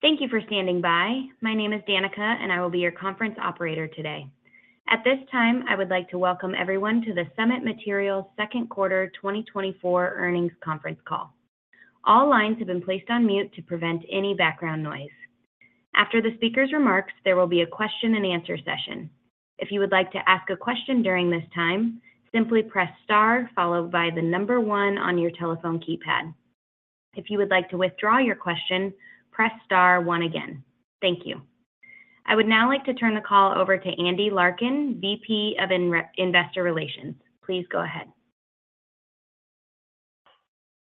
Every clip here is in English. Thank you for standing by. My name is Danica, and I will be your conference operator today. At this time, I would like to welcome everyone to the Summit Materials Second Quarter 2024 Earnings Conference Call. All lines have been placed on mute to prevent any background noise. After the speaker's remarks, there will be a question-and-answer session. If you would like to ask a question during this time, simply press star followed by the number one on your telephone keypad. If you would like to withdraw your question, press star one again. Thank you. I would now like to turn the call over to Andy Larkin, VP of Investor Relations. Please go ahead.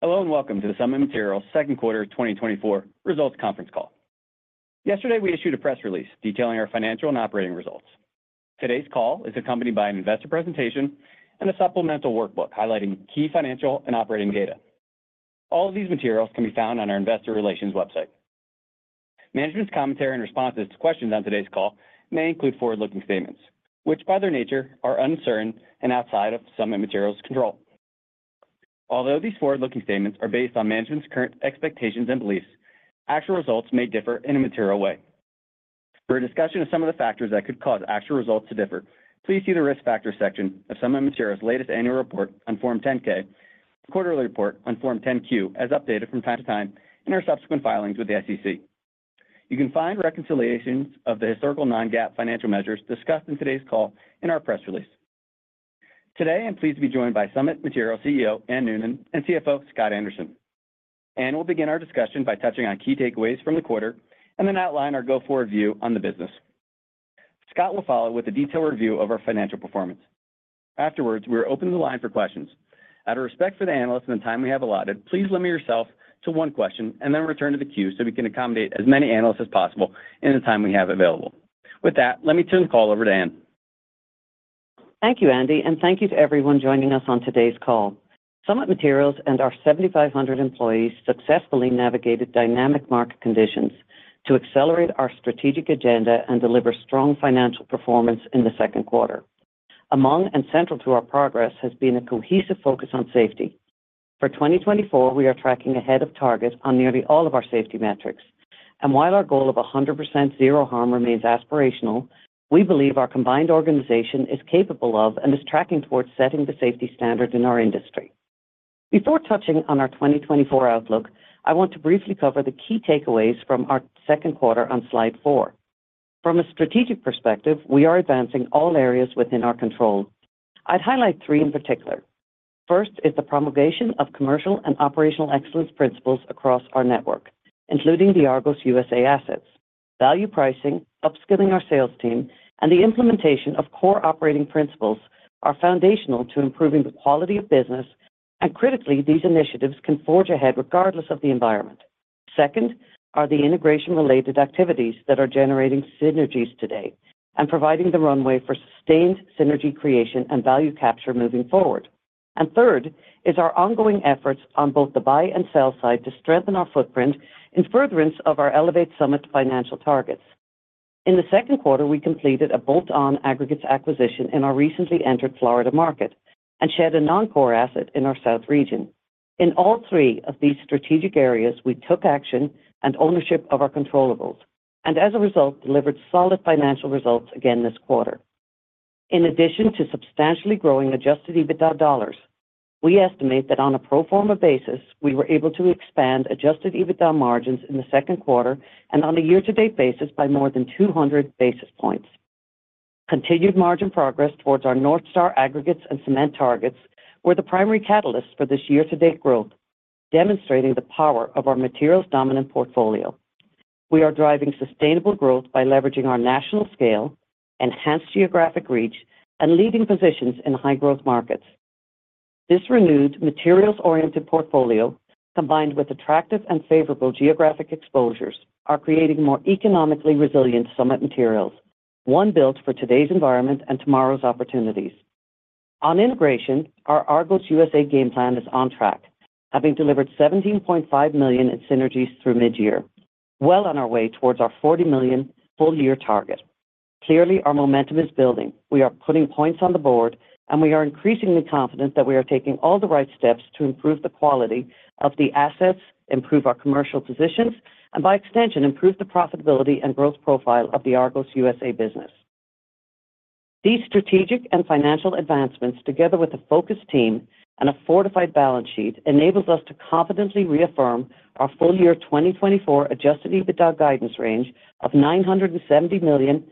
Hello, and welcome to the Summit Materials Second Quarter 2024 Results Conference Call. Yesterday, we issued a press release detailing our financial and operating results. Today's call is accompanied by an investor presentation and a supplemental workbook highlighting key financial and operating data. All of these materials can be found on our investor relations website. Management's commentary and responses to questions on today's call may include forward-looking statements, which, by their nature, are uncertain and outside of Summit Materials' control. Although these forward-looking statements are based on management's current expectations and beliefs, actual results may differ in a material way. For a discussion of some of the factors that could cause actual results to differ, please see the Risk Factors section of Summit Materials' latest annual report on Form 10-K, quarterly report on Form 10-Q, as updated from time to time in our subsequent filings with the SEC. You can find reconciliations of the historical non-GAAP financial measures discussed in today's call in our press release. Today, I'm pleased to be joined by Summit Materials CEO, Anne Noonan, and CFO, Scott Anderson. Anne will begin our discussion by touching on key takeaways from the quarter and then outline our go-forward view on the business. Scott will follow with a detailed review of our financial performance. Afterwards, we are open to the line for questions. Out of respect for the analysts and the time we have allotted, please limit yourself to one question and then return to the queue so we can accommodate as many analysts as possible in the time we have available. With that, let me turn the call over to Anne. Thank you, Andy, and thank you to everyone joining us on today's call. Summit Materials and our 7,500 employees successfully navigated dynamic market conditions to accelerate our strategic agenda and deliver strong financial performance in the second quarter. Among and central to our progress has been a cohesive focus on safety. For 2024, we are tracking ahead of target on nearly all of our safety metrics. And while our goal of 100% zero harm remains aspirational, we believe our combined organization is capable of and is tracking towards setting the safety standards in our industry. Before touching on our 2024 outlook, I want to briefly cover the key takeaways from our second quarter on slide 4. From a strategic perspective, we are advancing all areas within our control. I'd highlight 3 in particular. First is the promulgation of commercial and operational excellence principles across our network, including the Argos USA assets. Value pricing, upskilling our sales team, and the implementation of core operating principles are foundational to improving the quality of business, and critically, these initiatives can forge ahead regardless of the environment. Second, are the integration-related activities that are generating synergies today and providing the runway for sustained synergy creation and value capture moving forward. And third, is our ongoing efforts on both the buy-and-sell side to strengthen our footprint in furtherance of our Elevate Summit financial targets. In the second quarter, we completed a bolt-on aggregates acquisition in our recently entered Florida market and shed a non-core asset in our South region. In all three of these strategic areas, we took action and ownership of our controllables, and as a result, delivered solid financial results again this quarter. In addition to substantially growing adjusted EBITDA dollars, we estimate that on a pro forma basis, we were able to expand adjusted EBITDA margins in the second quarter and on a year-to-date basis by more than 200 basis points. Continued margin progress towards our North Star aggregates and cement targets were the primary catalyst for this year-to-date growth, demonstrating the power of our materials dominant portfolio. We are driving sustainable growth by leveraging our national scale, enhanced geographic reach, and leading positions in high-growth markets. This renewed materials-oriented portfolio, combined with attractive and favorable geographic exposures, are creating more economically resilient Summit Materials, one built for today's environment and tomorrow's opportunities. On integration, our Argos USA game plan is on track, having delivered $17.5 million in synergies through mid-year, well on our way towards our $40 million full-year target. Clearly, our momentum is building. We are putting points on the board, and we are increasingly confident that we are taking all the right steps to improve the quality of the assets, improve our commercial positions, and by extension, improve the profitability and growth profile of the Argos USA business. These strategic and financial advancements, together with a focused team and a fortified balance sheet, enables us to confidently reaffirm our full year 2024 Adjusted EBITDA guidance range of $970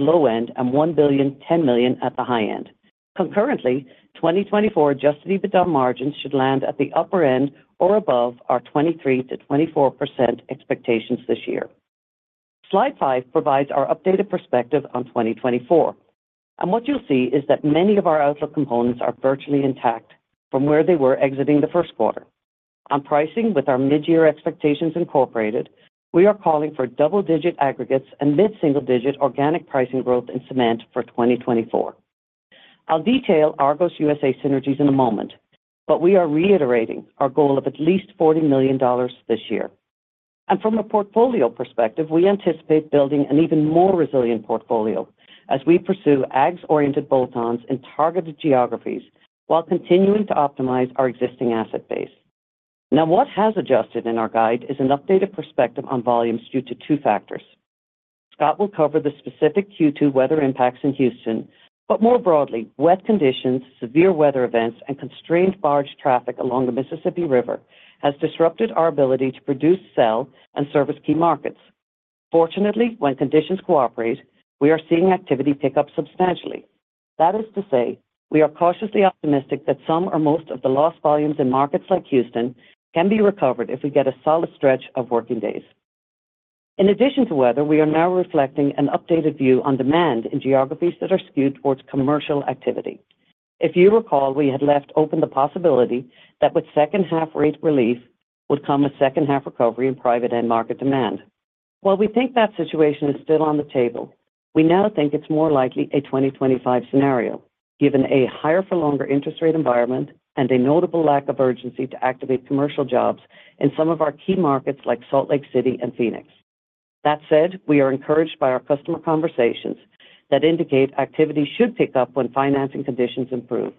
million-$1.01 billion. Concurrently, 2024 Adjusted EBITDA margins should land at the upper end or above our 23%-24% expectations this year. Slide 5 provides our updated perspective on 2024, and what you'll see is that many of our outlook components are virtually intact from where they were exiting the first quarter. On pricing, with our mid-year expectations incorporated, we are calling for double-digit aggregates and mid-single-digit organic pricing growth in cement for 2024. I'll detail Argos USA synergies in a moment, but we are reiterating our goal of at least $40 million this year. From a portfolio perspective, we anticipate building an even more resilient portfolio as we pursue Aggs-oriented bolt-ons in targeted geographies... while continuing to optimize our existing asset base. Now, what has adjusted in our guide is an updated perspective on volumes due to two factors. Scott will cover the specific Q2 weather impacts in Houston, but more broadly, wet conditions, severe weather events, and constrained barge traffic along the Mississippi River has disrupted our ability to produce, sell, and service key markets. Fortunately, when conditions cooperate, we are seeing activity pick up substantially. That is to say, we are cautiously optimistic that some or most of the lost volumes in markets like Houston can be recovered if we get a solid stretch of working days. In addition to weather, we are now reflecting an updated view on demand in geographies that are skewed towards commercial activity. If you recall, we had left open the possibility that with second half rate relief would come a second half recovery in private end market demand. While we think that situation is still on the table, we now think it's more likely a 2025 scenario, given a higher for longer interest rate environment and a notable lack of urgency to activate commercial jobs in some of our key markets like Salt Lake City and Phoenix. That said, we are encouraged by our customer conversations that indicate activity should pick up when financing conditions improve.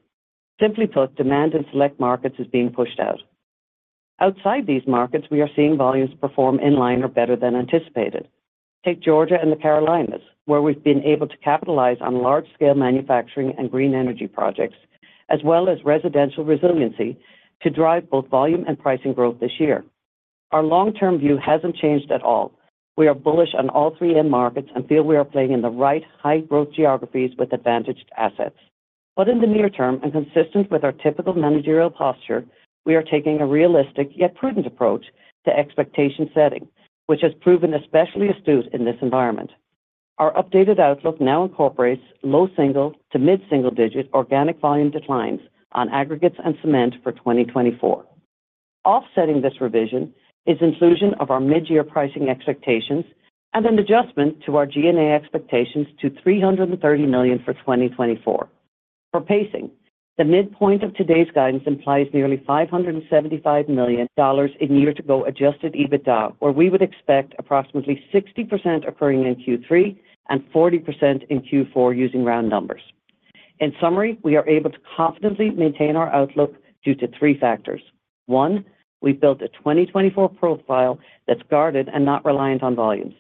Simply put, demand in select markets is being pushed out. Outside these markets, we are seeing volumes perform in line or better than anticipated. Take Georgia and the Carolinas, where we've been able to capitalize on large-scale manufacturing and green energy projects, as well as residential resiliency, to drive both volume and pricing growth this year. Our long-term view hasn't changed at all. We are bullish on all three end markets and feel we are playing in the right high-growth geographies with advantaged assets. But in the near term, and consistent with our typical managerial posture, we are taking a realistic yet prudent approach to expectation setting, which has proven especially astute in this environment. Our updated outlook now incorporates low single-digit to mid-single-digit organic volume declines on aggregates and cement for 2024. Offsetting this revision is inclusion of our mid-year pricing expectations and an adjustment to our G&A expectations to $330 million for 2024. For pacing, the midpoint of today's guidance implies nearly $575 million in year-to-go adjusted EBITDA, where we would expect approximately 60% occurring in Q3 and 40% in Q4, using round numbers. In summary, we are able to confidently maintain our outlook due to three factors. One, we've built a 2024 profile that's guarded and not reliant on volumes.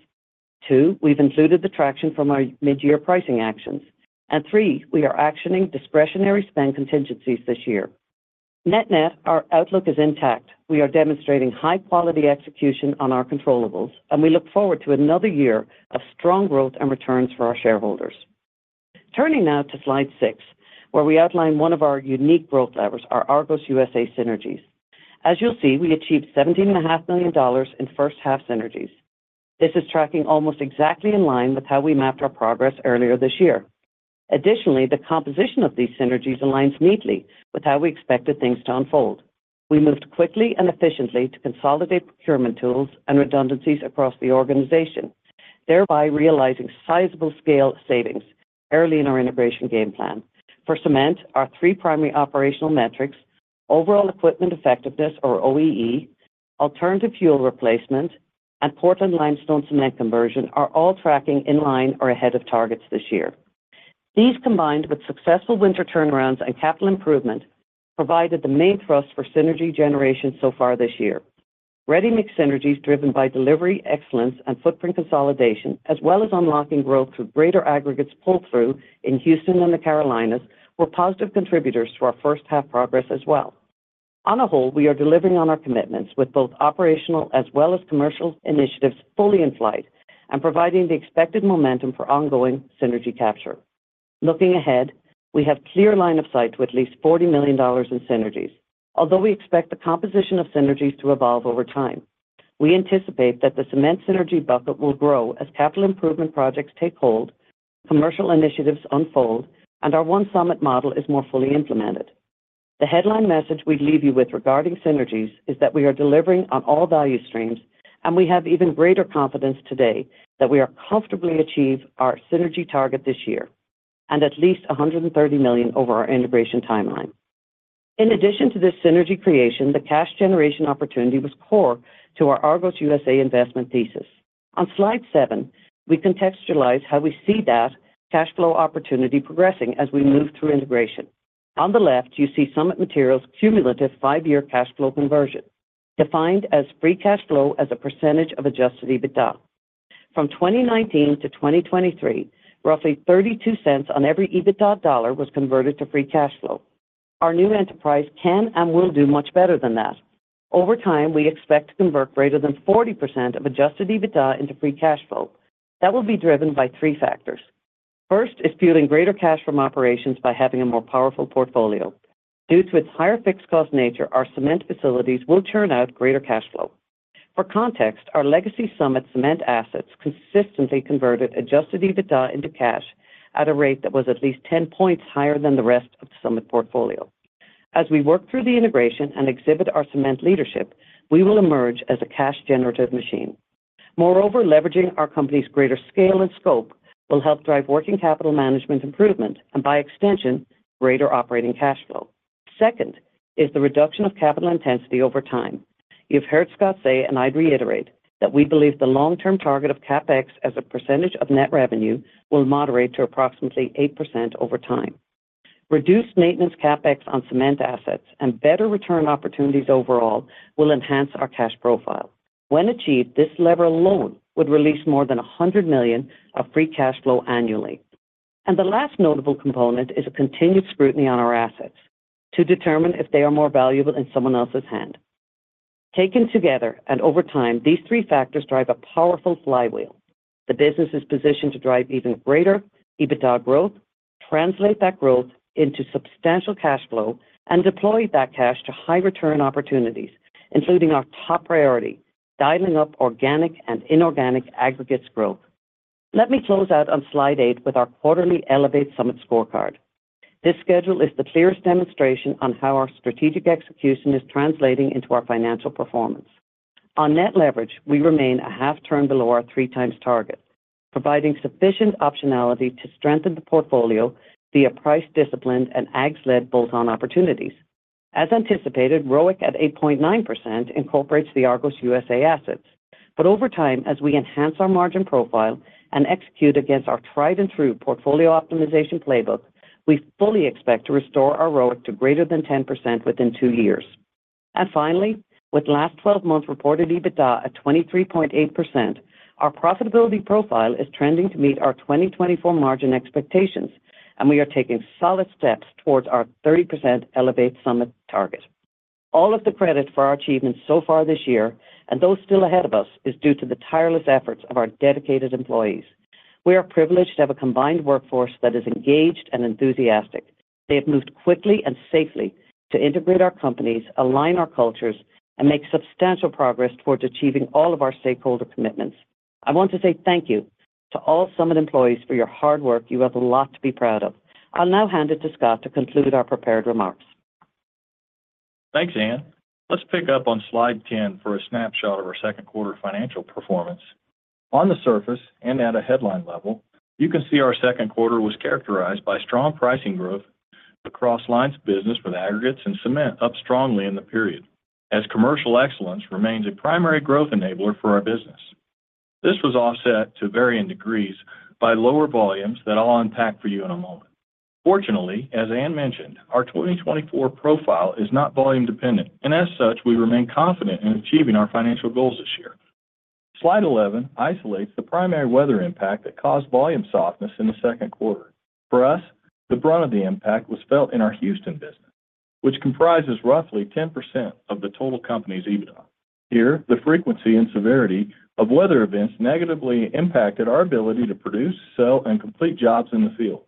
Two, we've included the traction from our mid-year pricing actions. And three, we are actioning discretionary spend contingencies this year. Net-net, our outlook is intact. We are demonstrating high-quality execution on our controllables, and we look forward to another year of strong growth and returns for our shareholders. Turning now to slide 6, where we outline one of our unique growth levers, our Argos USA synergies. As you'll see, we achieved $17.5 million in first half synergies. This is tracking almost exactly in line with how we mapped our progress earlier this year. Additionally, the composition of these synergies aligns neatly with how we expected things to unfold. We moved quickly and efficiently to consolidate procurement tools and redundancies across the organization, thereby realizing sizable scale savings early in our integration game plan. For cement, our three primary operational metrics, overall equipment effectiveness, or OEE, alternative fuel replacement, and Portland limestone cement conversion, are all tracking in line or ahead of targets this year. These, combined with successful winter turnarounds and capital improvement, provided the main thrust for synergy generation so far this year. Ready-mix synergies, driven by delivery, excellence, and footprint consolidation, as well as unlocking growth through greater aggregates pull-through in Houston and the Carolinas, were positive contributors to our first half progress as well. On a whole, we are delivering on our commitments with both operational as well as commercial initiatives fully in flight and providing the expected momentum for ongoing synergy capture. Looking ahead, we have clear line of sight to at least $40 million in synergies. Although we expect the composition of synergies to evolve over time, we anticipate that the cement synergy bucket will grow as capital improvement projects take hold, commercial initiatives unfold, and our One Summit model is more fully implemented. The headline message we leave you with regarding synergies is that we are delivering on all value streams, and we have even greater confidence today that we are comfortably achieve our synergy target this year, and at least $130 million over our integration timeline. In addition to this synergy creation, the cash generation opportunity was core to our Argos USA investment thesis. On slide 7, we contextualize how we see that cash flow opportunity progressing as we move through integration. On the left, you see Summit Materials' cumulative five-year cash flow conversion, defined as Free Cash Flow as a percentage of Adjusted EBITDA. From 2019 to 2023, roughly 32 cents on every EBITDA dollar was converted to free cash flow. Our new enterprise can and will do much better than that. Over time, we expect to convert greater than 40% of Adjusted EBITDA into Free Cash Flow. That will be driven by three factors. First is fueling greater cash from operations by having a more powerful portfolio. Due to its higher fixed cost nature, our cement facilities will churn out greater cash flow. For context, our legacy Summit Cement assets consistently converted Adjusted EBITDA into cash at a rate that was at least 10 points higher than the rest of the Summit portfolio. As we work through the integration and exhibit our cement leadership, we will emerge as a cash-generative machine. Moreover, leveraging our company's greater scale and scope will help drive working capital management improvement, and by extension, greater operating cash flow. Second is the reduction of capital intensity over time.... You've heard Scott say, and I'd reiterate, that we believe the long-term target of CapEx as a percentage of net revenue will moderate to approximately 8% over time. Reduced maintenance CapEx on cement assets and better return opportunities overall will enhance our cash profile. When achieved, this lever alone would release more than $100 million of Free Cash Flow annually. The last notable component is a continued scrutiny on our assets to determine if they are more valuable in someone else's hand. Taken together, and over time, these three factors drive a powerful flywheel. The business is positioned to drive even greater EBITDA growth, translate that growth into substantial cash flow, and deploy that cash to high return opportunities, including our top priority, dialing up organic and inorganic aggregates growth. Let me close out on Slide 8 with our quarterly Elevate Summit scorecard. This schedule is the clearest demonstration on how our strategic execution is translating into our financial performance. On net leverage, we remain a half turn below our 3x target, providing sufficient optionality to strengthen the portfolio via price discipline and Aggs-led bolt-on opportunities. As anticipated, ROIC at 8.9% incorporates the Argos USA assets. But over time, as we enhance our margin profile and execute against our tried-and-true portfolio optimization playbook, we fully expect to restore our ROIC to greater than 10% within two years. And finally, with last twelve months reported EBITDA at 23.8%, our profitability profile is trending to meet our 2024 margin expectations, and we are taking solid steps towards our 30% Elevate Summit target. All of the credit for our achievements so far this year, and those still ahead of us, is due to the tireless efforts of our dedicated employees. We are privileged to have a combined workforce that is engaged and enthusiastic. They have moved quickly and safely to integrate our companies, align our cultures, and make substantial progress towards achieving all of our stakeholder commitments. I want to say thank you to all Summit employees for your hard work. You have a lot to be proud of. I'll now hand it to Scott to conclude our prepared remarks. Thanks, Anne. Let's pick up on Slide 10 for a snapshot of our second quarter financial performance. On the surface, and at a headline level, you can see our second quarter was characterized by strong pricing growth across lines of business, with aggregates and cement up strongly in the period, as commercial excellence remains a primary growth enabler for our business. This was offset to varying degrees by lower volumes that I'll unpack for you in a moment. Fortunately, as Anne mentioned, our 2024 profile is not volume dependent, and as such, we remain confident in achieving our financial goals this year. Slide 11 isolates the primary weather impact that caused volume softness in the second quarter. For us, the brunt of the impact was felt in our Houston business, which comprises roughly 10% of the total company's EBITDA. Here, the frequency and severity of weather events negatively impacted our ability to produce, sell, and complete jobs in the field.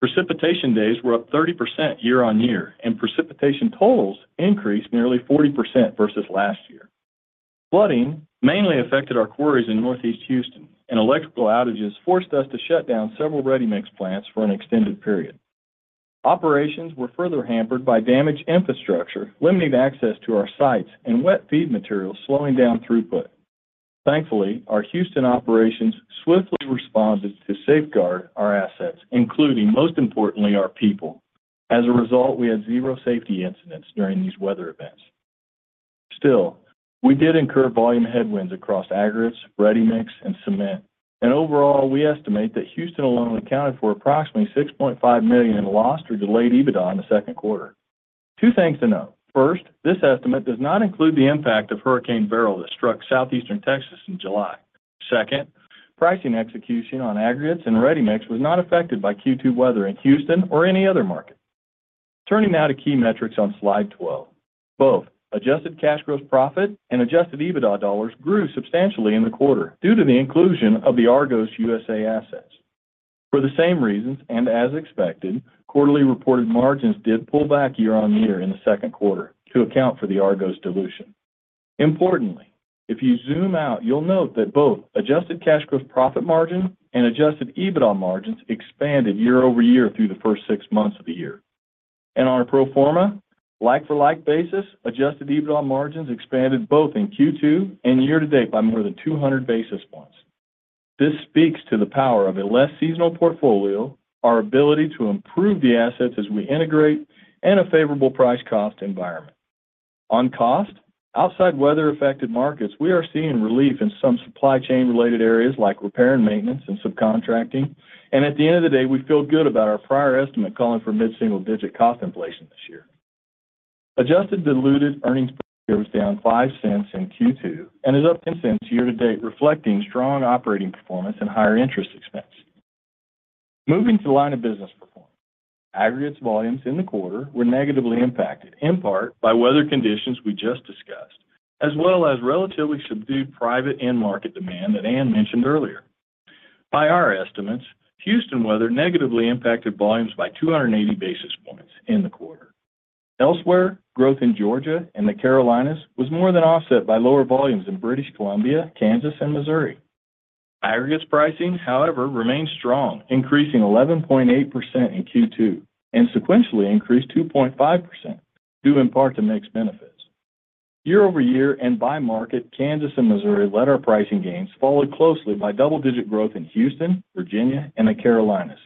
Precipitation days were up 30% year-on-year, and precipitation totals increased nearly 40% versus last year. Flooding mainly affected our quarries in Northeast Houston, and electrical outages forced us to shut down several ready-mix plants for an extended period. Operations were further hampered by damaged infrastructure, limiting access to our sites, and wet feed materials, slowing down throughput. Thankfully, our Houston operations swiftly responded to safeguard our assets, including, most importantly, our people. As a result, we had zero safety incidents during these weather events. Still, we did incur volume headwinds across aggregates, ready-mix, and cement, and overall, we estimate that Houston alone accounted for approximately $6.5 million in lost or delayed EBITDA in the second quarter. Two things to note. First, this estimate does not include the impact of Hurricane Beryl that struck Southeastern Texas in July. Second, pricing execution on aggregates and ready-mix was not affected by Q2 weather in Houston or any other market. Turning now to key metrics on Slide 12. Both adjusted cash gross profit and adjusted EBITDA dollars grew substantially in the quarter due to the inclusion of the Argos USA assets. For the same reasons, and as expected, quarterly reported margins did pull back year-on-year in the second quarter to account for the Argos dilution. Importantly, if you zoom out, you'll note that both adjusted cash gross profit margin and adjusted EBITDA margins expanded year-over-year through the first six months of the year. On a pro forma, like-for-like basis, adjusted EBITDA margins expanded both in Q2 and year-to-date by more than 200 basis points. This speaks to the power of a less seasonal portfolio, our ability to improve the assets as we integrate, and a favorable price cost environment. On cost, outside weather-affected markets, we are seeing relief in some supply chain-related areas like repair and maintenance and subcontracting. At the end of the day, we feel good about our prior estimate calling for mid-single-digit cost inflation this year. Adjusted Diluted Earnings Per Share was down $0.05 in Q2 and is up $0.10 year to date, reflecting strong operating performance and higher interest expense. Moving to line of business performance. Aggregates volumes in the quarter were negatively impacted in part by weather conditions we just discussed, as well as relatively subdued private end market demand that Anne mentioned earlier. By our estimates, Houston weather negatively impacted volumes by 280 basis points in the quarter. Elsewhere, growth in Georgia and the Carolinas was more than offset by lower volumes in British Columbia, Kansas, and Missouri. Aggregates pricing, however, remains strong, increasing 11.8% in Q2, and sequentially increased 2.5%, due in part to mix benefits. Year-over-year and by market, Kansas and Missouri led our pricing gains, followed closely by double-digit growth in Houston, Virginia, and the Carolinas.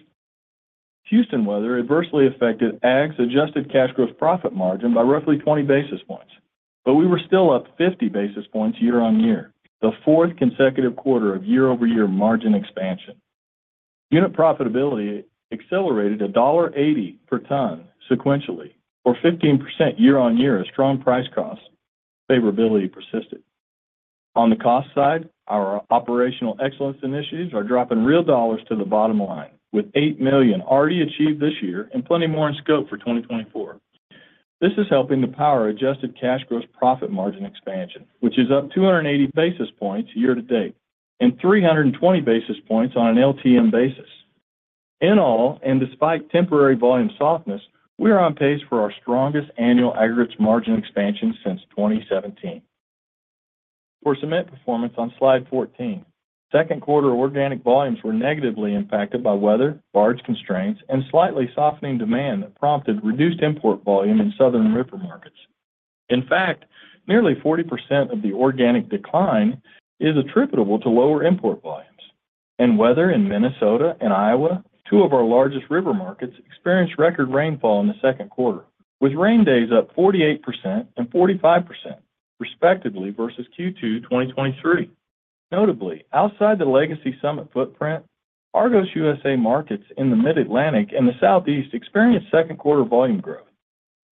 Houston weather adversely affected Agg's adjusted cash gross profit margin by roughly 20 basis points, but we were still up 50 basis points year-on-year, the fourth consecutive quarter of year-over-year margin expansion. Unit profitability accelerated $1.80 per ton sequentially, or 15% year-on-year, as strong price cost favorability persisted. On the cost side, our operational excellence initiatives are dropping real dollars to the bottom line, with $8 million already achieved this year and plenty more in scope for 2024. This is helping to power Adjusted Cash Gross Profit margin expansion, which is up 280 basis points year-to-date and 320 basis points on an LTM basis. In all, and despite temporary volume softness, we are on pace for our strongest annual aggregates margin expansion since 2017. For cement performance on Slide 14, second quarter organic volumes were negatively impacted by weather, barge constraints, and slightly softening demand that prompted reduced import volume in southern river markets. In fact, nearly 40% of the organic decline is attributable to lower import volumes. Weather in Minnesota and Iowa, two of our largest river markets, experienced record rainfall in the second quarter, with rain days up 48% and 45%, respectively, versus Q2 2023. Notably, outside the legacy Summit footprint, Argos USA markets in the Mid-Atlantic and the Southeast experienced second quarter volume growth.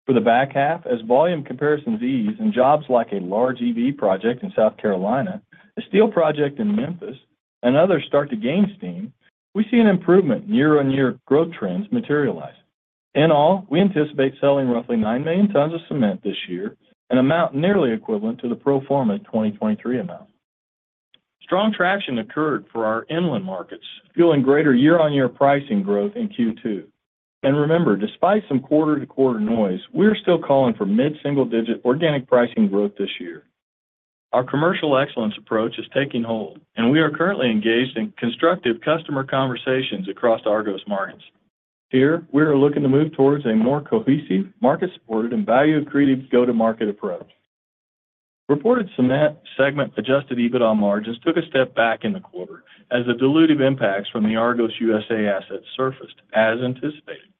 For the back half, as volume comparisons ease and jobs like a large EV project in South Carolina, a steel project in Memphis, and others start to gain steam, we see an improvement in year-on-year growth trends materialize. In all, we anticipate selling roughly 9 million tons of cement this year, an amount nearly equivalent to the pro forma 2023 amount. Strong traction occurred for our inland markets, fueling greater year-on-year pricing growth in Q2. And remember, despite some quarter-to-quarter noise, we are still calling for mid-single-digit organic pricing growth this year. Our commercial excellence approach is taking hold, and we are currently engaged in constructive customer conversations across Argos markets. Here, we are looking to move towards a more cohesive, market-supported, and value-created go-to-market approach. Reported cement segment adjusted EBITDA margins took a step back in the quarter as the dilutive impacts from the Argos USA assets surfaced, as anticipated.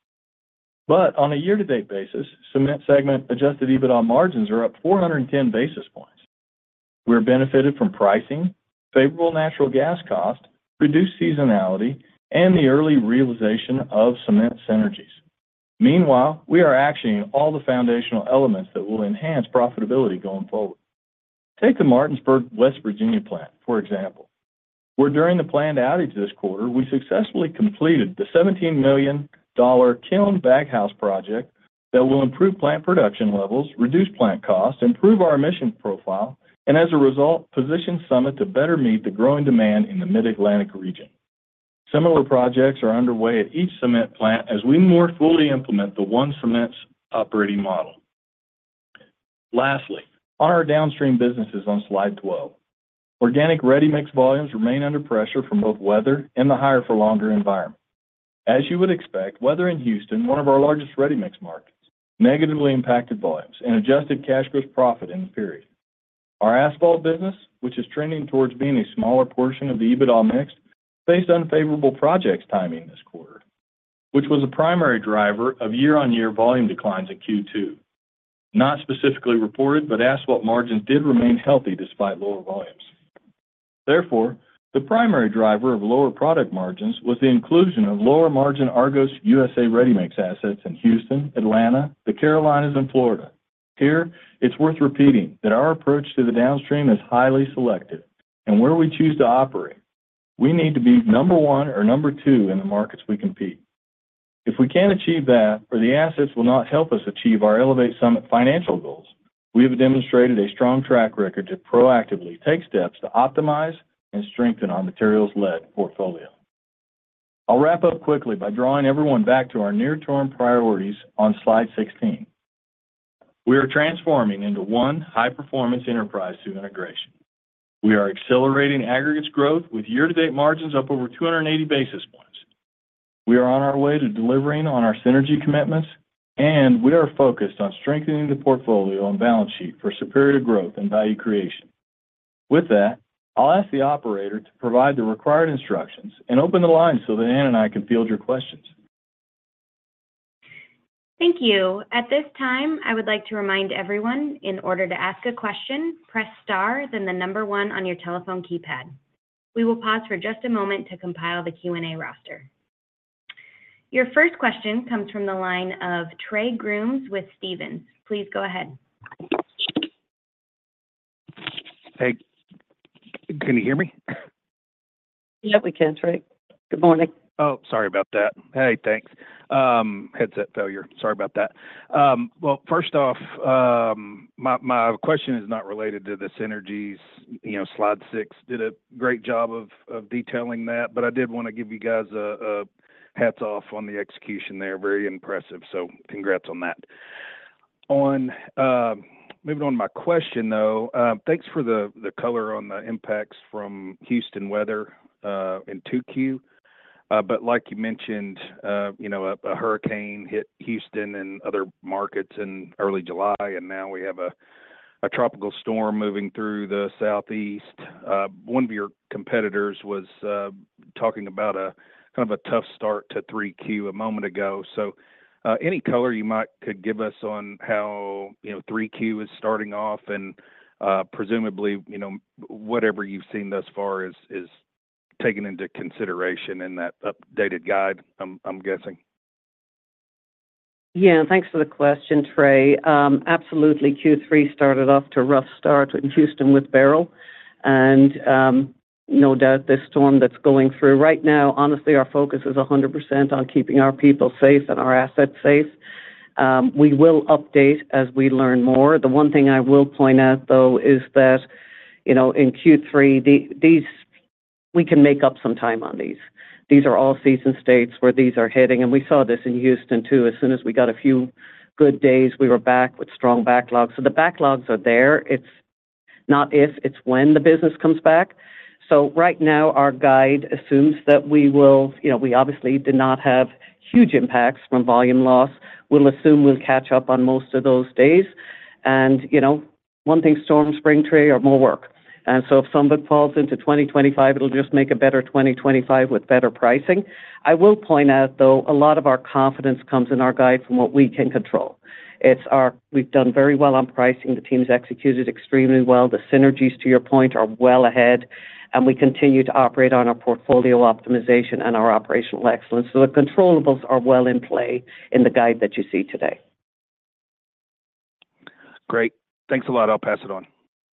But on a year-to-date basis, cement segment adjusted EBITDA margins are up 410 basis points. We're benefited from pricing, favorable natural gas cost, reduced seasonality, and the early realization of cement synergies. Meanwhile, we are actioning all the foundational elements that will enhance profitability going forward. Take the Martinsburg, West Virginia plant, for example, where during the planned outage this quarter, we successfully completed the $17 million kiln baghouse project that will improve plant production levels, reduce plant costs, improve our emission profile, and as a result, position Summit to better meet the growing demand in the Mid-Atlantic region. Similar projects are underway at each cement plant as we more fully implement the One Summit's operating model. Lastly, on our downstream businesses on Slide 12, organic ready-mix volumes remain under pressure from both weather and the higher for longer environment. As you would expect, weather in Houston, one of our largest ready-mix markets, negatively impacted volumes and adjusted cash gross profit in the period. Our asphalt business, which is trending towards being a smaller portion of the EBITDA mix, faced unfavorable project timing this quarter, which was a primary driver of year-on-year volume declines in Q2. Not specifically reported, but asphalt margins did remain healthy despite lower volumes. Therefore, the primary driver of lower product margins was the inclusion of lower margin Argos USA ready-mix assets in Houston, Atlanta, the Carolinas, and Florida. Here, it's worth repeating that our approach to the downstream is highly selective, and where we choose to operate, we need to be number one or number two in the markets we compete. If we can't achieve that, or the assets will not help us achieve our Elevate Summit financial goals, we have demonstrated a strong track record to proactively take steps to optimize and strengthen our materials-led portfolio. I'll wrap up quickly by drawing everyone back to our near-term priorities on Slide 16. We are transforming into one high-performance enterprise through integration. We are accelerating aggregates growth with year-to-date margins up over 280 basis points. We are on our way to delivering on our synergy commitments, and we are focused on strengthening the portfolio and balance sheet for superior growth and value creation. With that, I'll ask the operator to provide the required instructions and open the line so that Anne and I can field your questions. Thank you. At this time, I would like to remind everyone in order to ask a question, press star, then the number one on your telephone keypad. We will pause for just a moment to compile the Q&A roster. Your first question comes from the line of Trey Grooms with Stephens. Please go ahead. Hey, can you hear me? Yep, we can, Trey. Good morning. Oh, sorry about that. Hey, thanks. Headset failure. Sorry about that. Well, first off, my question is not related to the synergies. You know, slide 6 did a great job of detailing that, but I did want to give you guys a hats off on the execution there. Very impressive. So congrats on that. On... Moving on to my question, though, thanks for the color on the impacts from Houston weather in 2Q. But like you mentioned, you know, a hurricane hit Houston and other markets in early July, and now we have a... a tropical storm moving through the Southeast. One of your competitors was talking about a kind of a tough start to 3Q a moment ago. So, any color you could give us on how, you know, 3Q is starting off, and, presumably, you know, whatever you've seen thus far is taken into consideration in that updated guide, I'm guessing? Yeah, thanks for the question, Trey. Absolutely, Q3 started off to a rough start in Houston with Beryl. No doubt, this storm that's going through right now, honestly, our focus is 100% on keeping our people safe and our assets safe. We will update as we learn more. The one thing I will point out, though, is that, you know, in Q3, we can make up some time on these. These are all season states where these are heading, and we saw this in Houston, too. As soon as we got a few good days, we were back with strong backlogs. So the backlogs are there. It's not if, it's when the business comes back. So right now, our guide assumes that we will... You know, we obviously did not have huge impacts from volume loss. We'll assume we'll catch up on most of those days. And, you know, one thing, storms, spring, tree are more work. And so if something falls into 2025, it'll just make a better 2025 with better pricing. I will point out, though, a lot of our confidence comes in our guide from what we can control. It's our. We've done very well on pricing. The team's executed extremely well. The synergies, to your point, are well ahead, and we continue to operate on our portfolio optimization and our operational excellence. So the controllables are well in play in the guide that you see today. Great. Thanks a lot. I'll pass it on.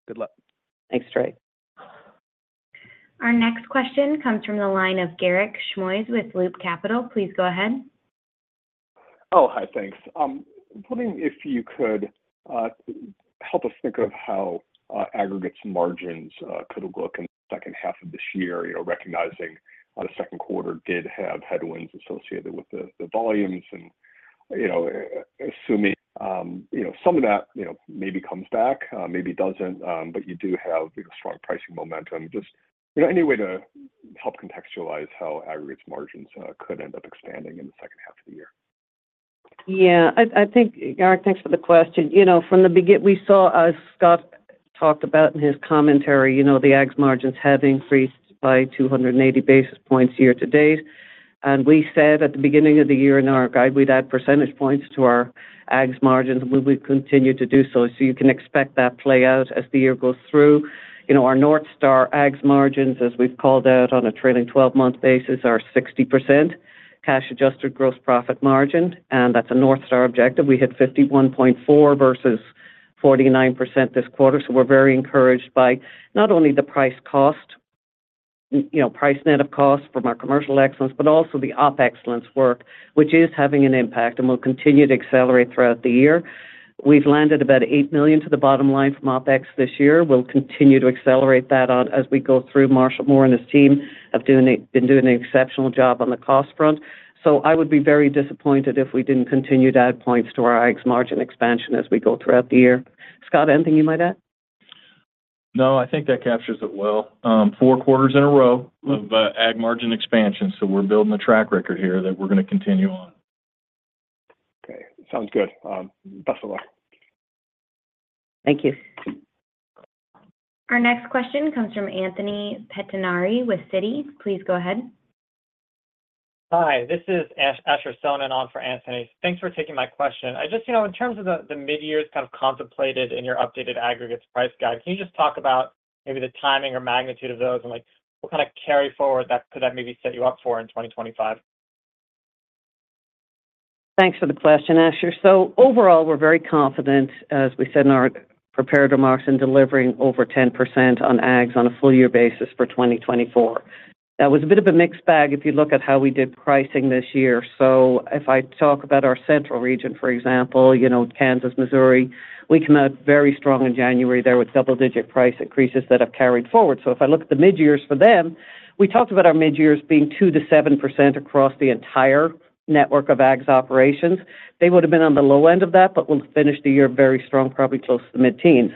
Good luck. Thanks, Trey. Our next question comes from the line of Garik Shmois with Loop Capital. Please go ahead. Oh, hi, thanks. Wondering if you could help us think of how aggregates and margins could look in the second half of this year, you know, recognizing how the second quarter did have headwinds associated with the volumes, and, you know, assuming you know some of that, you know, maybe comes back, maybe doesn't, but you do have, you know, strong pricing momentum. Just, you know, any way to help contextualize how aggregates margins could end up expanding in the second half of the year? Yeah, I, I think, Garik, thanks for the question. You know, from the beginning, we saw, as Scott talked about in his commentary, you know, the ags margins have increased by 280 basis points year-to-date. And we said at the beginning of the year in our guide, we'd add percentage points to our ags margins, we will continue to do so. So you can expect that play out as the year goes through. You know, our North Star ags margins, as we've called out on a trailing twelve-month basis, are 60% cash-adjusted gross profit margin, and that's a North Star objective. We hit 51.4 versus 49% this quarter, so we're very encouraged by not only the price cost, you know, price net of cost from our commercial excellence, but also the op excellence work, which is having an impact and will continue to accelerate throughout the year. We've landed about $8 million to the bottom line from OpEx this year. We'll continue to accelerate that on as we go through. Marshall Moore and his team have been doing an exceptional job on the cost front. So I would be very disappointed if we didn't continue to add points to our ags margin expansion as we go throughout the year. Scott, anything you might add? No, I think that captures it well. Four quarters in a row of ag margin expansion, so we're building a track record here that we're gonna continue on. Okay, sounds good. Best of luck. Thank you. Our next question comes from Anthony Pettinari with Citi. Please go ahead. Hi, this is Asher Sohnen on for Anthony. Thanks for taking my question. I just, you know, in terms of the, the mid-years kind of contemplated in your updated aggregates price guide, can you just talk about maybe the timing or magnitude of those, and, like, what kind of carry forward that could that maybe set you up for in 2025? Thanks for the question, Asher. So overall, we're very confident, as we said in our prepared remarks, in delivering over 10% on ags on a full year basis for 2024. That was a bit of a mixed bag if you look at how we did pricing this year. So if I talk about our Central region, for example, you know, Kansas, Missouri, we came out very strong in January there with double-digit price increases that have carried forward. So if I look at the midyears for them, we talked about our midyears being 2%-7% across the entire network of ags operations. They would have been on the low end of that, but we'll finish the year very strong, probably close to the mid-teens.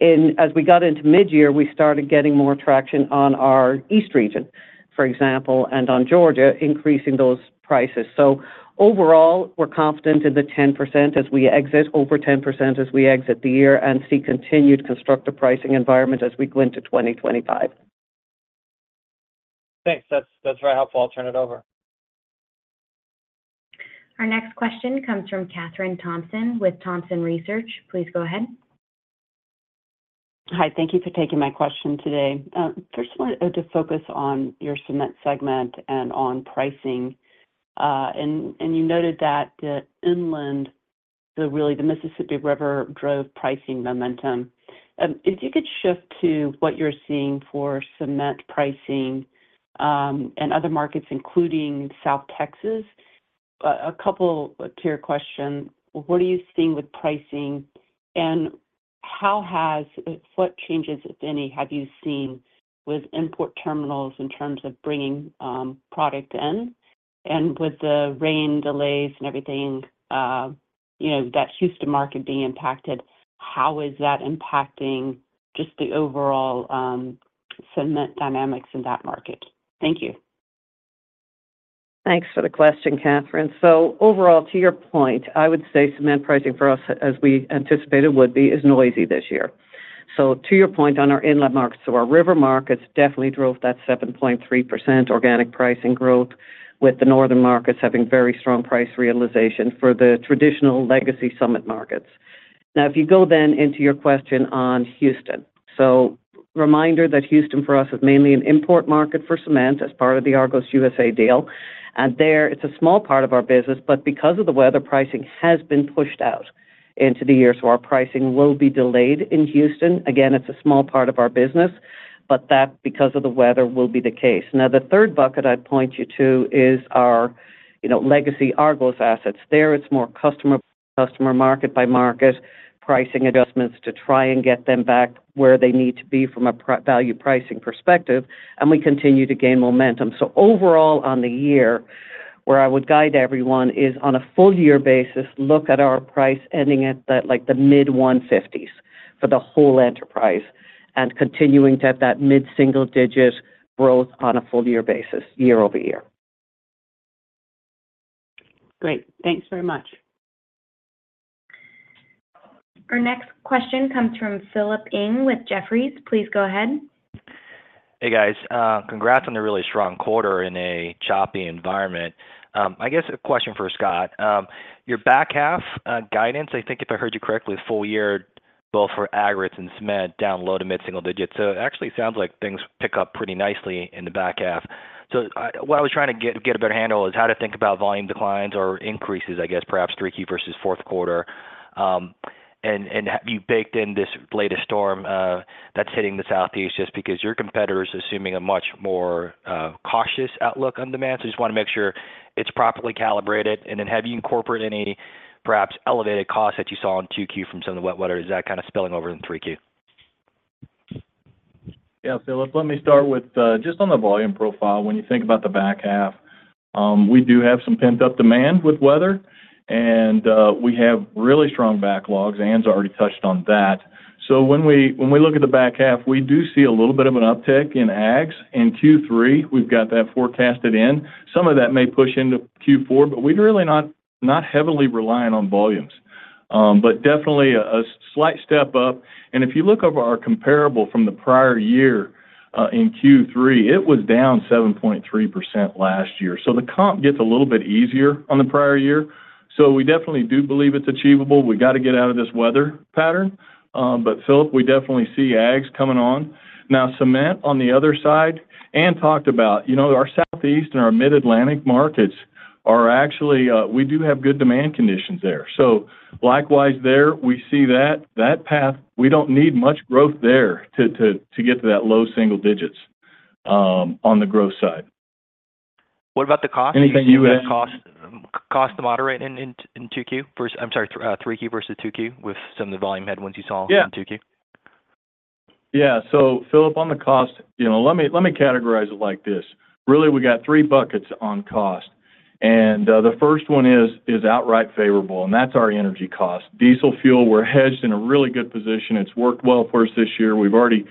As we got into midyear, we started getting more traction on our East region, for example, and on Georgia, increasing those prices. Overall, we're confident in the 10% as we exit, over 10% as we exit the year and see continued constructive pricing environment as we go into 2025. Thanks. That's, that's very helpful. I'll turn it over. Our next question comes from Kathryn Thompson with Thompson Research. Please go ahead. Hi, thank you for taking my question today. First, I want to focus on your cement segment and on pricing. And you noted that the inland, really the Mississippi River, drove pricing momentum. If you could shift to what you're seeing for cement pricing, and other markets, including South Texas, a couple clear question: What are you seeing with pricing, and how has—what changes, if any, have you seen with import terminals in terms of bringing product in? And with the rain delays and everything, you know, that Houston market being impacted, how is that impacting just the overall cement dynamics in that market? Thank you. ... Thanks for the question, Kathryn. So overall, to your point, I would say cement pricing for us, as we anticipated would be, is noisy this year. So to your point on our inland markets, so our river markets definitely drove that 7.3% organic pricing growth, with the northern markets having very strong price realization for the traditional legacy Summit markets. Now, if you go then into your question on Houston. So reminder that Houston for us is mainly an import market for cement as part of the Argos USA deal. And there, it's a small part of our business, but because of the weather, pricing has been pushed out into the year, so our pricing will be delayed in Houston. Again, it's a small part of our business, but that, because of the weather, will be the case. Now, the third bucket I'd point you to is our, you know, legacy Argos assets. There, it's more customer, customer, market by market, pricing adjustments to try and get them back where they need to be from a pri- value pricing perspective, and we continue to gain momentum. So overall, on the year, where I would guide everyone, is on a full year basis, look at our price ending at the, like, the mid-150s for the whole enterprise, and continuing to have that mid-single-digit growth on a full year basis, year-over-year. Great. Thanks very much. Our next question comes from Philip Ng with Jefferies. Please go ahead. Hey, guys. Congrats on a really strong quarter in a choppy environment. I guess a question for Scott. Your back half guidance, I think if I heard you correctly, full year, both for aggregates and cement, down low- to mid-single digits. So it actually sounds like things pick up pretty nicely in the back half. So what I was trying to get a better handle is how to think about volume declines or increases, I guess, perhaps 3Q versus fourth quarter. And have you baked in this latest storm that's hitting the Southeast, just because your competitor is assuming a much more cautious outlook on demand. So just want to make sure it's properly calibrated. And then have you incorporated any perhaps elevated costs that you saw in Q2 from some of the wet weather? Is that kind of spilling over in 3Q? Yeah, Philip, let me start with just on the volume profile. When you think about the back half, we do have some pent-up demand with weather, and we have really strong backlogs. Anne's already touched on that. So when we look at the back half, we do see a little bit of an uptick in aggs. In Q3, we've got that forecasted in. Some of that may push into Q4, but we're really not heavily reliant on volumes. But definitely a slight step up. And if you look over our comparable from the prior year, in Q3, it was down 7.3% last year. So the comp gets a little bit easier on the prior year. So we definitely do believe it's achievable. We got to get out of this weather pattern. But Philip, we definitely see aggs coming on. Now, cement on the other side, Anne talked about. You know, our Southeast and our Mid-Atlantic markets are actually, we do have good demand conditions there. So likewise, there, we see that path, we don't need much growth there to get to that low single digits on the growth side. What about the cost? Anything you- Costs to moderate in 2Q. First, I'm sorry, 3Q versus 2Q, with some of the volume headwinds you saw- Yeah. In 2Q. Yeah. So Philip, on the cost, you know, let me, let me categorize it like this. Really, we got three buckets on cost, and the first one is outright favorable, and that's our energy cost. Diesel fuel, we're hedged in a really good position. It's worked well for us this year. We've already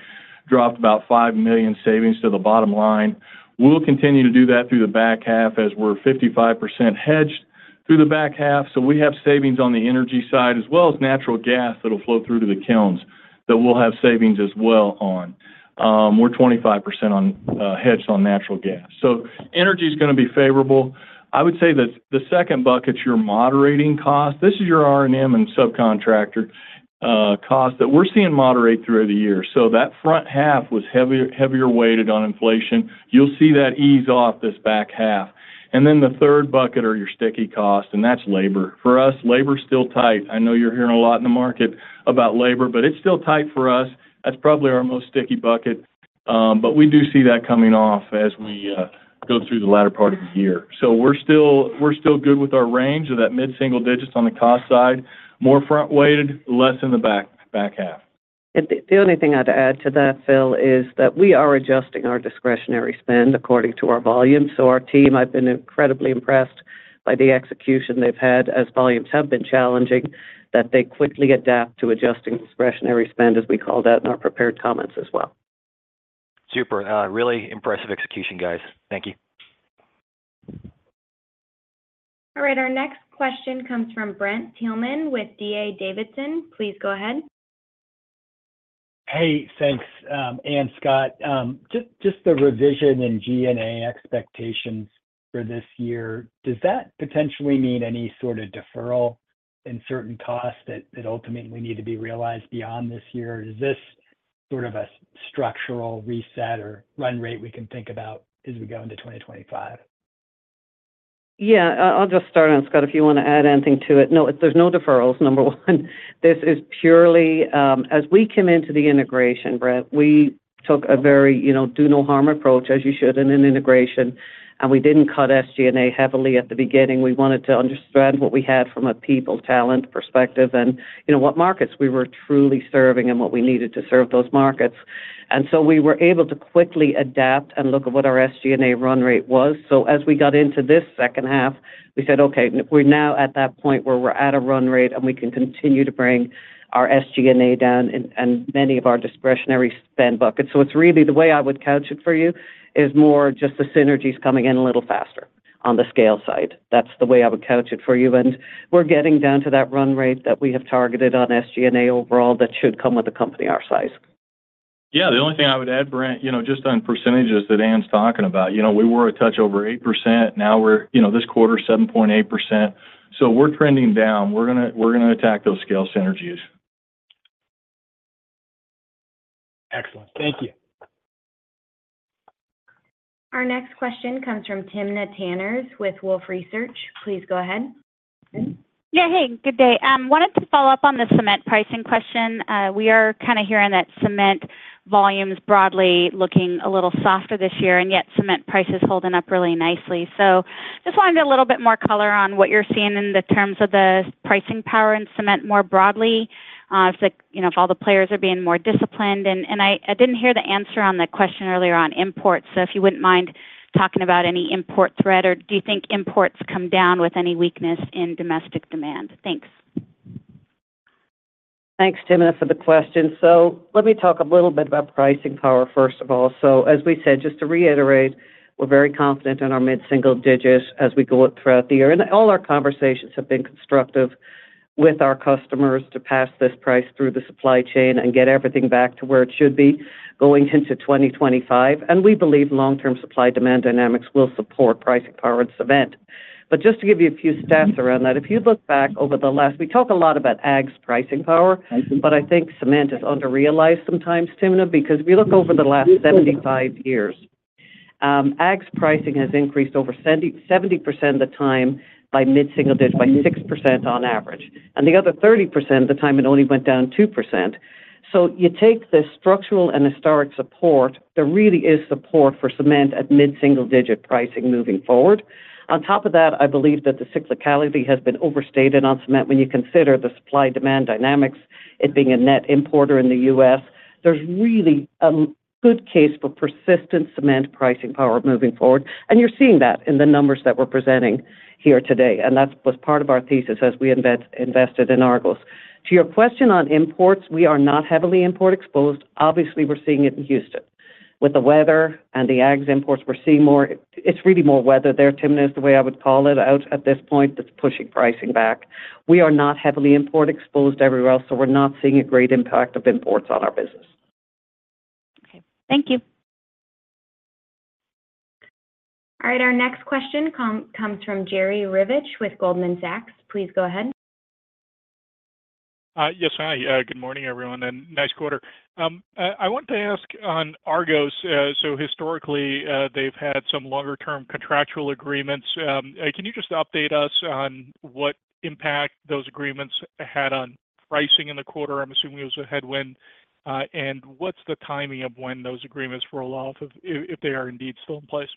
dropped about $5 million savings to the bottom line. We'll continue to do that through the back half as we're 55% hedged through the back half. So we have savings on the energy side, as well as natural gas that'll flow through to the kilns, that we'll have savings as well on. We're 25% hedged on natural gas. So energy is gonna be favorable. I would say that the second bucket, your moderating cost, this is your R&M and subcontractor cost, that we're seeing moderate through the year. So that front half was heavier, heavier weighted on inflation. You'll see that ease off this back half. And then the third bucket are your sticky costs, and that's labor. For us, labor is still tight. I know you're hearing a lot in the market about labor, but it's still tight for us. That's probably our most sticky bucket, but we do see that coming off as we go through the latter part of the year. So we're still, we're still good with our range of that mid-single digits on the cost side, more front-weighted, less in the back, back half. And the only thing I'd add to that, Phil, is that we are adjusting our discretionary spend according to our volume. So our team, I've been incredibly impressed by the execution they've had, as volumes have been challenging, that they quickly adapt to adjusting discretionary spend, as we call that, in our prepared comments as well. Super. Really impressive execution, guys. Thank you. All right, our next question comes from Brent Thielman with D.A. Davidson. Please go ahead. Hey, thanks, Anne and Scott. Just the revision in G&A expectations for this year, does that potentially mean any sort of deferral in certain costs that ultimately need to be realized beyond this year? Or is this sort of a structural reset or run rate we can think about as we go into 2025? Yeah, I'll just start, and Scott, if you want to add anything to it. No, there's no deferrals, number one. This is purely... As we came into the integration, Brent, we took a very, you know, do-no-harm approach, as you should in an integration, and we didn't cut SG&A heavily at the beginning. We wanted to understand what we had from a people talent perspective and, you know, what markets we were truly serving and what we needed to serve those markets. And so we were able to quickly adapt and look at what our SG&A run rate was. So as we got into this second half, we said, "Okay, we're now at that point where we're at a run rate, and we can continue to bring our SG&A down, and many of our discretionary spend buckets." So it's really, the way I would couch it for you, is more just the synergies coming in a little faster... on the scale side. That's the way I would couch it for you, and we're getting down to that run rate that we have targeted on SG&A overall that should come with a company our size. Yeah, the only thing I would add, Brent, you know, just on percentages that Anne's talking about. You know, we were a touch over 8%, now we're, you know, this quarter, 7.8%. So we're trending down. We're gonna, we're gonna attack those scale synergies. Excellent. Thank you. Our next question comes from Timna Tanners with Wolfe Research. Please go ahead, Timna. Yeah, hey, good day. Wanted to follow up on the cement pricing question. We are kind of hearing that cement volume is broadly looking a little softer this year, and yet cement price is holding up really nicely. So just wanted to get a little bit more color on what you're seeing in terms of the pricing power in cement more broadly, if they're, you know, if all the players are being more disciplined. And I didn't hear the answer on the question earlier on imports, so if you wouldn't mind talking about any import threat, or do you think imports come down with any weakness in domestic demand? Thanks. Thanks, Timna, for the question. So let me talk a little bit about pricing power, first of all. So as we said, just to reiterate, we're very confident in our mid-single digits as we go throughout the year. And all our conversations have been constructive with our customers to pass this price through the supply chain and get everything back to where it should be going into 2025, and we believe long-term supply-demand dynamics will support pricing power in cement. But just to give you a few stats around that, if you look back over the last— We talk a lot about ags pricing power, but I think cement is under-realized sometimes, Timna, because if you look over the last 75 years, ags pricing has increased over 70, 70% of the time by mid-single digit, by 6% on average, and the other 30% of the time it only went down 2%. So you take the structural and historic support, there really is support for cement at mid-single digit pricing moving forward. On top of that, I believe that the cyclicality has been overstated on cement when you consider the supply-demand dynamics, it being a net importer in the U.S. There's really a good case for persistent cement pricing power moving forward, and you're seeing that in the numbers that we're presenting here today, and that was part of our thesis as we invested in Argos. To your question on imports, we are not heavily import exposed. Obviously, we're seeing it in Houston. With the weather and the ags imports, we're seeing more... It's really more weather there, Timna, is the way I would call it out at this point, that's pushing pricing back. We are not heavily import exposed everywhere else, so we're not seeing a great impact of imports on our business. Okay. Thank you. All right, our next question comes from Jerry Revich with Goldman Sachs. Please go ahead. Yes. Hi, good morning, everyone, and nice quarter. I wanted to ask on Argos. So historically, they've had some longer term contractual agreements. Can you just update us on what impact those agreements had on pricing in the quarter? I'm assuming it was a headwind. And what's the timing of when those agreements roll off of... if they are indeed still in place?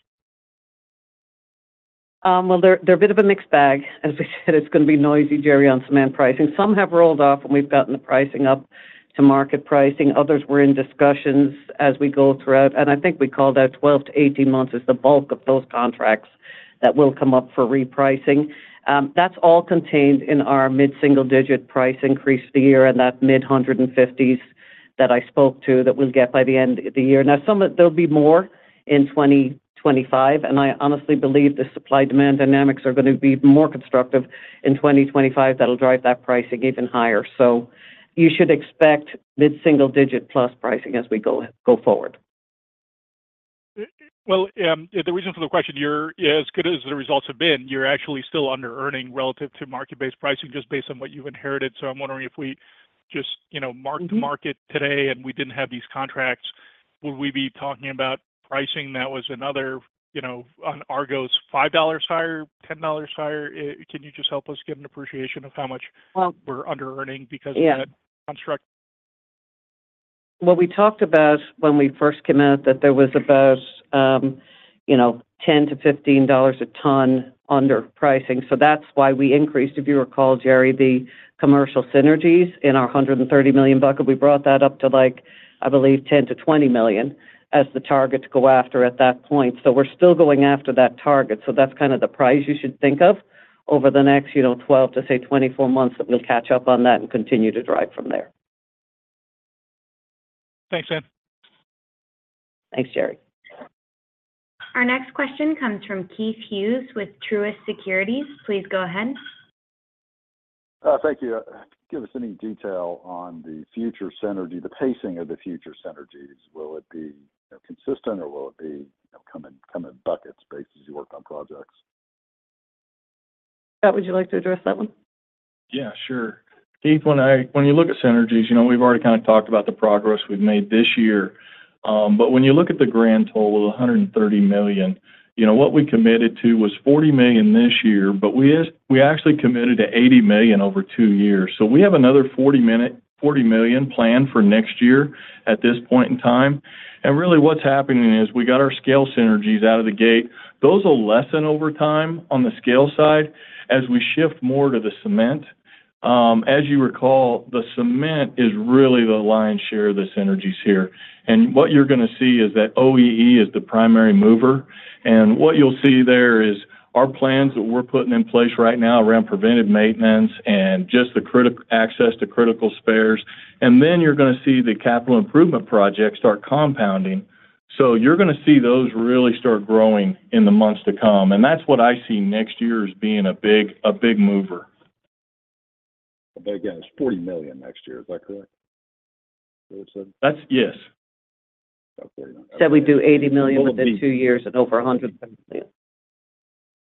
Well, they're, they're a bit of a mixed bag. As we said, it's gonna be noisy, Jerry, on cement pricing. Some have rolled off, and we've gotten the pricing up to market pricing. Others, we're in discussions as we go throughout, and I think we call that 12-18 months is the bulk of those contracts that will come up for repricing. That's all contained in our mid-single-digit price increase for the year and that mid-$150s that I spoke to that we'll get by the end of the year. Now, some of that, there'll be more in 2025, and I honestly believe the supply-demand dynamics are gonna be more constructive in 2025. That'll drive that pricing even higher. So you should expect mid-single-digit plus pricing as we go, go forward. Well, the reason for the question, you're as good as the results have been, you're actually still underearning relative to market-based pricing, just based on what you've inherited. So I'm wondering if we just, you know, mark- Mm-hmm. the market today, and we didn't have these contracts, would we be talking about pricing that was another, you know, on Argos, $5 higher, $10 higher? Can you just help us get an appreciation of how much- Well- We're underearning because of that. Yeah - construct? Well, we talked about when we first came out, that there was about, you know, $10-$15 a ton underpricing, so that's why we increased. If you recall, Jerry, the commercial synergies in our $130 million bucket, we brought that up to, like, I believe, $10-$20 million, as the target to go after at that point. So we're still going after that target, so that's kind of the price you should think of over the next, you know, 12 to, say, 24 months, that we'll catch up on that and continue to drive from there. Thanks, Anne. Thanks, Jerry. Our next question comes from Keith Hughes with Truist Securities. Please go ahead. Thank you. Give us any detail on the future synergy, the pacing of the future synergies. Will it be, you know, consistent, or will it be, you know, come in buckets based as you work on projects? Scott, would you like to address that one? Yeah, sure. Keith, when you look at synergies, you know, we've already kind of talked about the progress we've made this year. But when you look at the grand total of $130 million, you know, what we committed to was $40 million this year, but we actually committed to $80 million over two years. So we have another $40 million planned for next year at this point in time. And really, what's happening is, we got our scale synergies out of the gate. Those will lessen over time on the scale side as we shift more to the cement. As you recall, the cement is really the lion's share of the synergies here, and what you're gonna see is that OEE is the primary mover. And what you'll see there is our plans that we're putting in place right now around preventive maintenance and just the access to critical spares, and then you're gonna see the capital improvement projects start compounding. So you're gonna see those really start growing in the months to come, and that's what I see next year as being a big, a big mover.... But again, it's $40 million next year. Is that correct? What I said? That's-- Yes. Okay. Said we'd do $80 million within two years and over $100 million.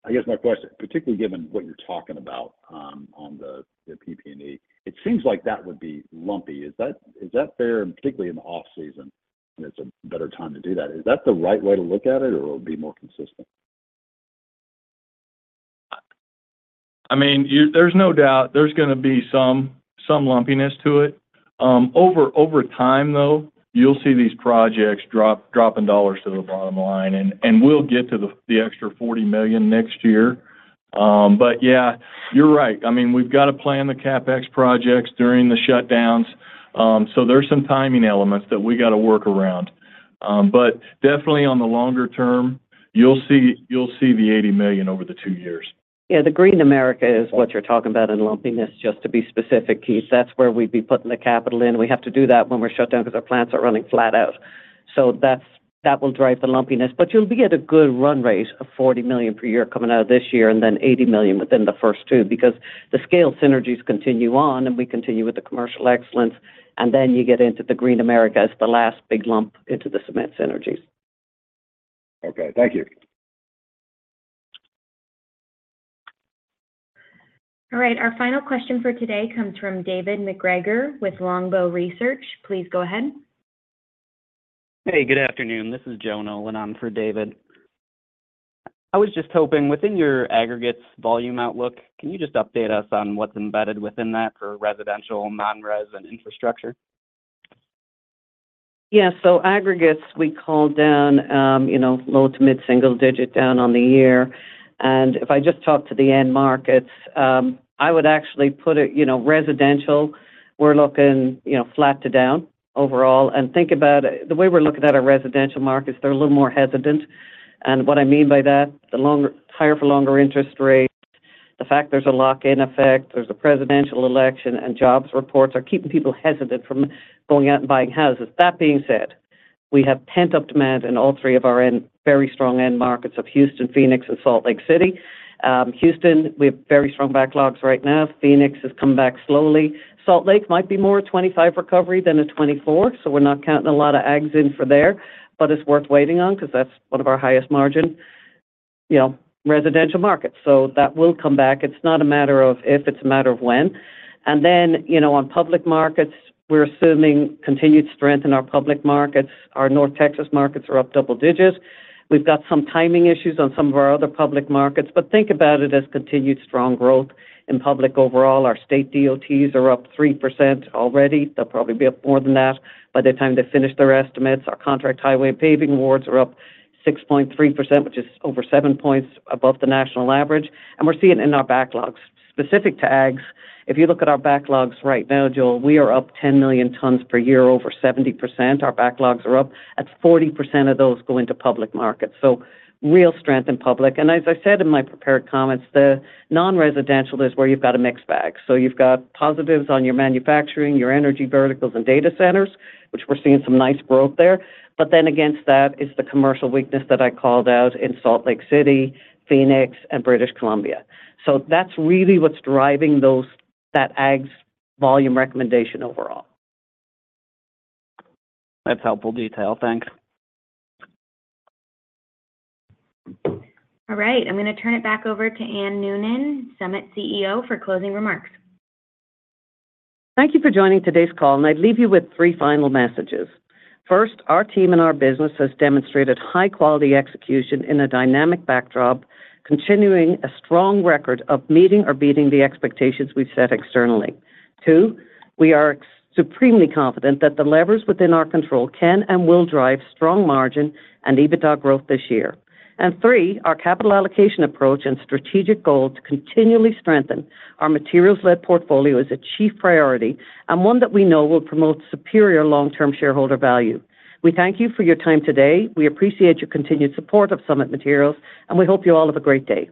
I guess my question, particularly given what you're talking about, on the PP&E, it seems like that would be lumpy. Is that, is that fair? And particularly in the off-season, it's a better time to do that. Is that the right way to look at it, or it'll be more consistent? I mean, you-- there's no doubt there's gonna be some lumpiness to it. Over time, though, you'll see these projects dropping dollars to the bottom line, and we'll get to the extra $40 million next year. But yeah, you're right. I mean, we've got to plan the CapEx projects during the shutdowns. So there are some timing elements that we got to work around. But definitely on the longer term, you'll see the $80 million over the two years. Yeah, the Green America is what you're talking about in lumpiness, just to be specific, Keith. That's where we'd be putting the capital in. We have to do that when we're shut down because our plants are running flat out. So that will drive the lumpiness. But you'll be at a good run rate of $40 million per year coming out of this year and then $80 million within the first two, because the scale synergies continue on, and we continue with the commercial excellence. And then you get into the Green America as the last big lump into the cement synergies. Okay. Thank you. All right, our final question for today comes from David MacGregor with Longbow Research. Please go ahead. Hey, good afternoon. This is Joel Nolan in for David. I was just hoping, within your aggregates volume outlook, can you just update us on what's embedded within that for residential, non-res, and infrastructure? Yeah. So aggregates, we called down, you know, low- to mid-single-digit down on the year. And if I just talk to the end markets, I would actually put it, you know, residential, we're looking, you know, flat to down overall. And think about it, the way we're looking at our residential markets, they're a little more hesitant. And what I mean by that, the longer higher for longer interest rates, the fact there's a lock-in effect, there's a presidential election, and jobs reports are keeping people hesitant from going out and buying houses. That being said, we have pent-up demand in all three of our end, very strong end markets of Houston, Phoenix, and Salt Lake City. Houston, we have very strong backlogs right now. Phoenix has come back slowly. Salt Lake might be more a 25 recovery than a 24, so we're not counting a lot of aggs in for there, but it's worth waiting on because that's one of our highest margin, you know, residential markets. So that will come back. It's not a matter of if, it's a matter of when. And then, you know, on public markets, we're assuming continued strength in our public markets. Our North Texas markets are up double digits. We've got some timing issues on some of our other public markets, but think about it as continued strong growth in public overall. Our state DOTs are up 3% already. They'll probably be up more than that by the time they finish their estimates. Our contract highway and paving awards are up 6.3%, which is over 7 points above the national average, and we're seeing it in our backlogs. Specific to aggs, if you look at our backlogs right now, Joel, we are up 10 million tons per year, over 70%. Our backlogs are up. That's 40% of those go into public markets, so real strength in public. And as I said in my prepared comments, the non-residential is where you've got a mixed bag. So you've got positives on your manufacturing, your energy verticals, and data centers, which we're seeing some nice growth there. But then against that is the commercial weakness that I called out in Salt Lake City, Phoenix, and British Columbia. So that's really what's driving those, that aggs volume recommendation overall. That's helpful detail. Thanks. All right, I'm gonna turn it back over to Anne Noonan, Summit CEO, for closing remarks. Thank you for joining today's call, and I'd leave you with three final messages. First, our team and our business has demonstrated high-quality execution in a dynamic backdrop, continuing a strong record of meeting or beating the expectations we've set externally. Two, we are supremely confident that the levers within our control can and will drive strong margin and EBITDA growth this year. And three, our capital allocation approach and strategic goal to continually strengthen our materials-led portfolio is a chief priority and one that we know will promote superior long-term shareholder value. We thank you for your time today. We appreciate your continued support of Summit Materials, and we hope you all have a great day.